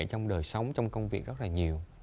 trong đời sống trong công việc rất là nhiều